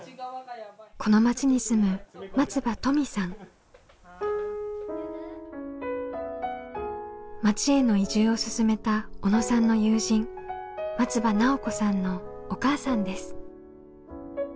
この町に住む町への移住を勧めた小野さんの友人松場奈緒子さんのお母さんです。